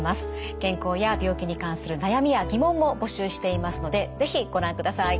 健康や病気に関する悩みや疑問も募集していますので是非ご覧ください。